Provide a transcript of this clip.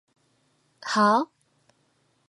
はぁ？